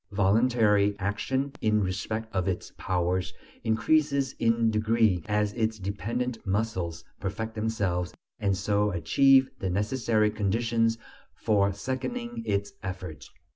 Voluntary action, in respect of its "powers," increases in degree as its dependent muscles perfect themselves and so achieve the necessary conditions for seconding its efforts.